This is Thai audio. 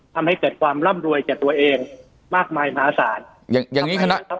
ทำให้เกิดความร่ำรวยแก่ตัวเองมากมายมหาศาลอย่างอย่างงี้คณะครับ